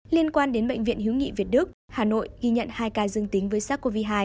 liên quan đến bệnh viện hiếu nghị việt đức hà nội ghi nhận hai ca dương tính với sars cov hai